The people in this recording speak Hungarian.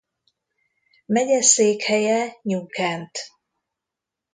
Megyeszékhelye New Kent.